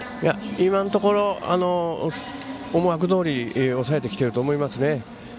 今のところ思惑どおり抑えてきてると思いますね。